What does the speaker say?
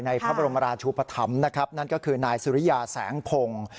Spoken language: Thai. พระบรมราชุปธรรมนะครับนั่นก็คือนายสุริยาแสงพงศ์